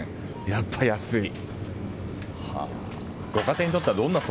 やっぱ安い。